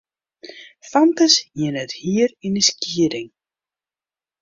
Famkes hiene it hier yn in skieding.